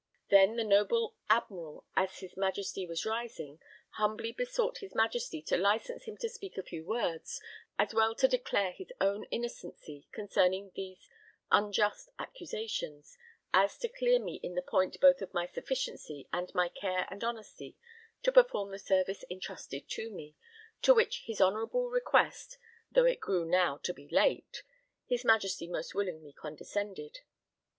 Then the noble Admiral, as his Majesty was rising, humbly besought his Majesty to license him to speak a few words, as well to declare his own innocency concerning these unjust accusations, as to clear me in the point both of my sufficiency and my care and honesty to perform the service entrusted to me, to which his honourable request (though it grew now to be late) his Majesty most willingly condescended.